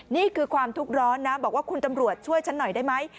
นี่คือความทุกข์ร้อนนะบอกว่าคุณตำรวจช่วยฉันหน่อยได้ไหม